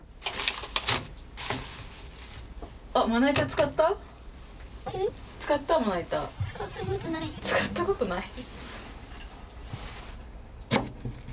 「使ったことない」？